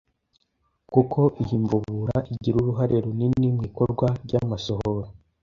kuko iyi mvubura igira uruhare runini mu ikorwa ry’amasohoro